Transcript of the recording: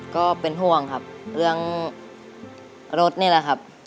ก็เป็นห่วงครับเรื่องรถนี่แหละครับ